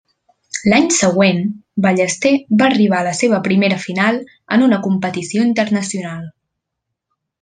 L'any següent Ballester va arribar a la seva primera final en una competició internacional.